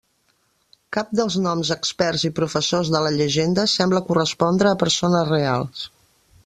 Cap dels noms d'experts i professors de la llegenda sembla correspondre a persones reals.